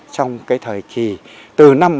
trong cái thời kỳ từ năm một nghìn chín trăm sáu mươi bảy